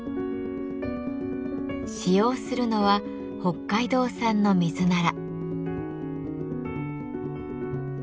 使用するのは北海道産のミズナラ。